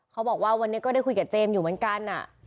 เขาบอกว่าวันนี้ก็ได้คุยกับเจมส์อยู่เหมือนกัน